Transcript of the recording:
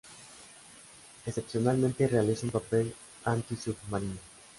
Excepcionalmente realiza un papel antisubmarino.